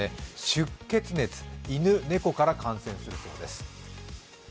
出血熱、犬、猫から感染するそうです。